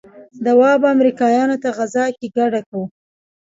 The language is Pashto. دوا به امريکايانو ته غذا کې ګډه کو.